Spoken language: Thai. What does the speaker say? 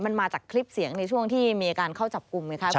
มันมาจากคลิปเสียงในช่วงที่มีการเข้าจับกลุ่มไงครับ